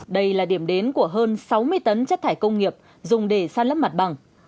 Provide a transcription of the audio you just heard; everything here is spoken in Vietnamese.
đây là điểm đến của hơn sáu mươi tấn chất thải công nghiệp dùng để san lấp mặt bằng